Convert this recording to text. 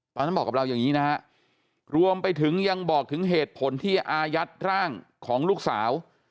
ตอนนั้นบอกกับเราอย่างนี้นะฮะรวมไปถึงยังบอกถึงเหตุผลที่อายัดร่างของลูกสาว